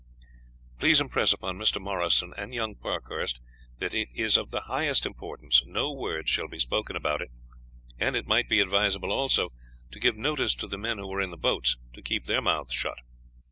"Please impress upon Mr. Morrison and young Parkhurst that it is of the highest importance no words shall be spoken about it; and it might be advisable, also, to give notice to the men who were in the boats, to keep their mouths shut.